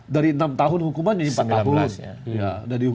dari enam tahun hukuman jadi empat tahun